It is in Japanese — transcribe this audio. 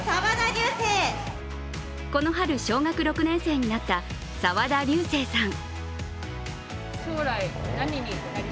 この春、小学６年生になった澤田龍征さん。